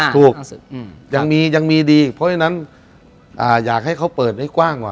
ถูกยังมียังมีดีเพราะฉะนั้นอยากให้เขาเปิดให้กว้างกว่า